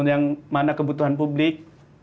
yang mana kebutuhan publik